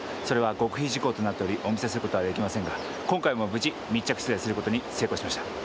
それは極秘事項となっておりお見せする事はできませんが今回も無事密着取材する事に成功しました。